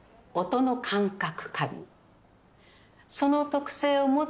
音の感覚